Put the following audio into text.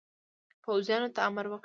پوځیانو ته امر وکړ.